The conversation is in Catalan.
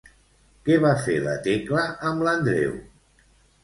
Què va fer la Tecla amb l'Andreu?